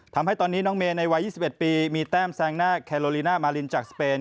ทำให้ตอนนี้น้องเมย์ในวัย๒๑ปีมีแต้มแซงหน้าแคโลลีน่ามารินจากสเปน